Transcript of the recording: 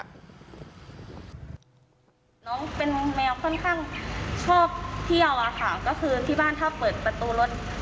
น้องเป็นแมวค่อนข้างชอบเที่ยวอะค่ะก็คือที่บ้านถ้าเปิดประตูรถ